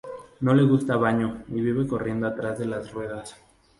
No le gusta baño y vive corriendo atrás de las ruedas.